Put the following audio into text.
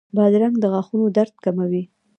بادرنګ د غاښونو درد کموي.